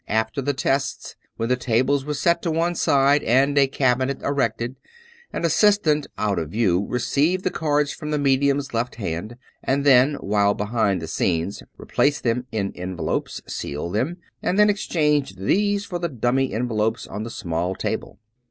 After the tests, when the tables were set to one side and a cabinet erected, an assistant out of view received the cards from the medium's left hand ; and then while behind the scenes, replaced them in envelopes, sealed them, and then exchanged these for the "dummy" envelopes on the small table.